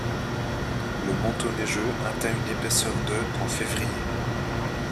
Le manteau neigeux atteint une épaisseur de en février.